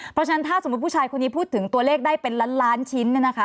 เพราะฉะนั้นถ้าสมมุติผู้ชายคนนี้พูดถึงตัวเลขได้เป็นล้านล้านชิ้น